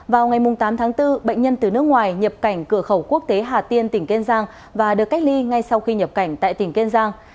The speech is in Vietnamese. vào ngày tám tháng bốn bệnh nhân từ nước ngoài nhập cảnh cửa khẩu quốc tế hà tiên tỉnh kiên giang và được cách ly ngay sau khi nhập cảnh tại tỉnh kiên giang